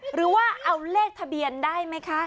หรือว่าเอาเลขทะเบียนได้ไหมคะ